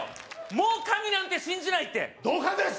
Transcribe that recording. もう神なんて信じないって同感です